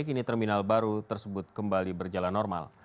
kini terminal baru tersebut kembali berjalan normal